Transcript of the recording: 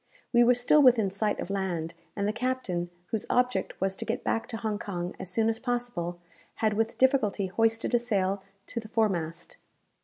We were still within sight of land, and the captain, whose object was to get back to Hong Kong as soon as possible, had with difficulty hoisted a sail to the foremast.